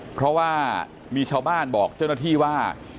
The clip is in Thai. เพราะว่ามีชาวบ้านบอกเจ้าหน้าที่ว่า